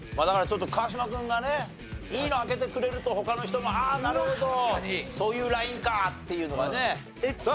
だからちょっと川島君がねいいの開けてくれると他の人もああなるほどそういうラインかっていうのがね。